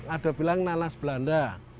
ada bilang nanas belanda